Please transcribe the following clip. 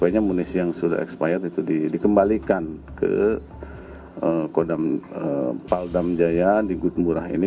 makanya amunisi yang sudah expired itu dikembalikan ke paldam jaya di gutemburah ini